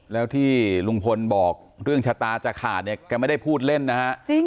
แล้วที่ลุงพลบอกเรื่องชะตาจะขาดเนี่ยแกไม่ได้พูดเล่นนะฮะ